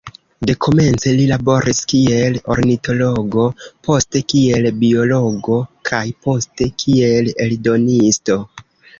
Dekomence li laboris kiel ornitologo, poste kiel biologo, kaj poste kiel eldonisto.